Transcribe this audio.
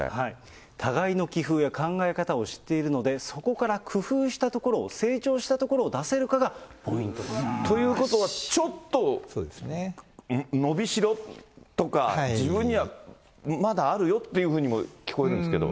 互いの棋風や考え方を知っているので、そこから工夫したところを、成長したところを出せるかということはちょっと、伸びしろとか、自分にはまだあるよっていうふうにも聞こえるんですけど。